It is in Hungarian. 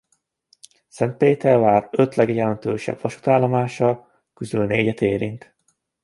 Szentpétervár öt legjelentősebb vasútállomása közül négyet érint.